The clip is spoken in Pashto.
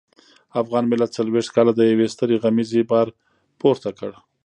افغان ملت څلويښت کاله د يوې سترې غمیزې بار پورته کړ.